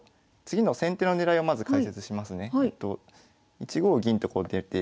１五銀とこう出て。